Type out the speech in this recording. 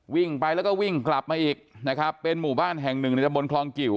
วิ่งไปแล้วก็วิ่งกลับมาอีกนะครับเป็นหมู่บ้านแห่งหนึ่งในตะบนคลองกิว